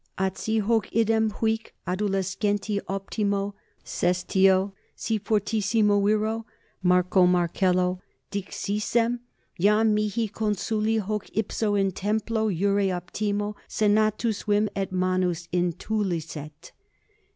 At si hoc idem adulescenti optimo, P. Sestio, si 21 fortissimo viro, M. Marcello, dixissem, iam mihi consuli hoc ipso in templo iure optimo senatus vim et manus intulisset.